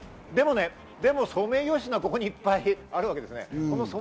でもソメイヨシノはここにいっぱいあるわけです。